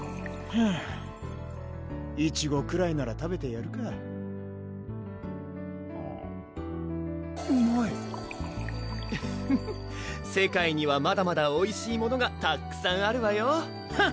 フンイチゴくらいなら食べてやるかうまいフフッ世界にはまだまだおいしいものがたっくさんあるわよフン！